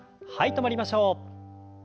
止まりましょう。